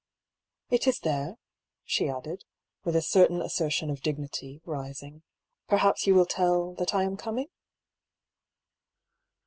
" It is there," she added, with a certain assertion of dignity, rising. " Perhaps you will tell — that I am coming?"